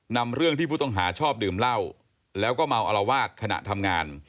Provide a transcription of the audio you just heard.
นำเรื่องที่ผู้ต้องหาชอบดื่มเหล้าแล้วก็เมาอลวาดขณะทำงาน